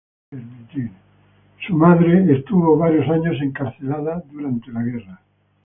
Su madre estuvo varios años encarcelada durante la guerra.